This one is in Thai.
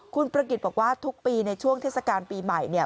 คุณประกิจบอกว่าทุกปีในช่วงเทศกาลปีใหม่เนี่ย